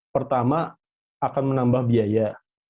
pertama akan menambah biaya